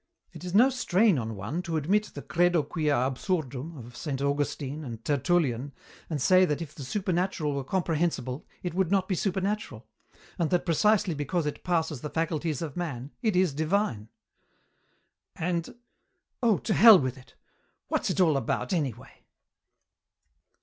It is no strain on one to admit the Credo quia absurdum of Saint Augustine and Tertullian and say that if the supernatural were comprehensible it would not be supernatural, and that precisely because it passes the faculties of man it is divine. "And oh, to hell with it! What's it all about, anyway?"